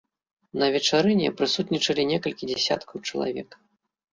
На вечарыне прысутнічалі некалькі дзесяткаў чалавек.